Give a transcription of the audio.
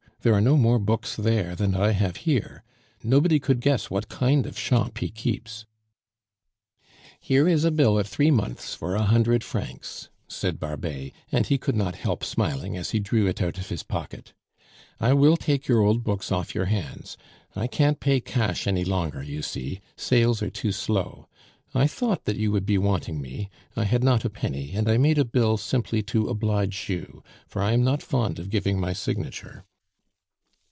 there are no more books there than I have here. Nobody could guess what kind of shop he keeps." "Here is a bill at three months for a hundred francs," said Barbet, and he could not help smiling as he drew it out of his pocket; "I will take your old books off your hands. I can't pay cash any longer, you see; sales are too slow. I thought that you would be wanting me; I had not a penny, and I made a bill simply to oblige you, for I am not fond of giving my signature."